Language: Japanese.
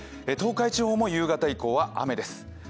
東海地方も夕方以降は雨です。